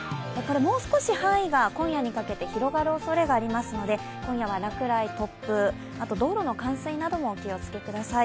もう少し範囲が今夜にかけて広がるおそれがありますので今夜は落雷、突風、道路の冠水などにもお気をつけください。